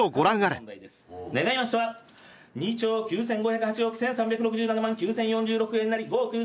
願いましては２兆９，５０８億１，３６７万９，０４６円なり。